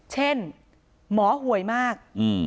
เช่นหมอหวยมาก